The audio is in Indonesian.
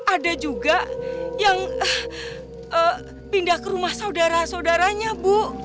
ada juga yang pindah ke rumah saudara saudaranya bu